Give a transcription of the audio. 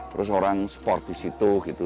terus orang support di situ gitu